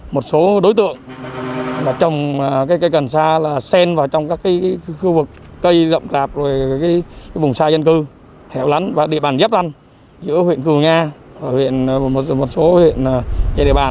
một số đối tượng trồng cây cần xa là sen vào trong các khu vực cây rộng rạp vùng xa dân cư hẻo lắn và địa bàn dấp lăn giữa huyện cửu nga và một số huyện chế địa bàn